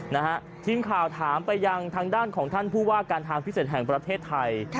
นะฮะทีมข่าวถามไปยังทางด้านของท่านผู้ว่าการทางพิเศษแห่งประเทศไทย